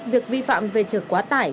việc vi phạm về chở quá tải